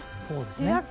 そうですね。